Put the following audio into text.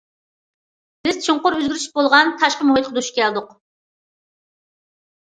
بىز چوڭقۇر ئۆزگىرىش بولغان تاشقى مۇھىتقا دۇچ كەلدۇق.